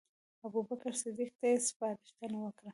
ابوبکر صدیق ته یې سپارښتنه وکړه.